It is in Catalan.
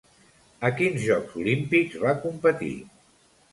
A quins Jocs Olímpics va competir?